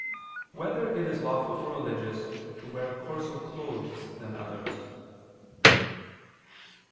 6] Whether It Is Lawful for Religious to Wear Coarser Clothes Than Others?